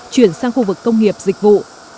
chuyển sang khu vực công nghiệp dịch vụ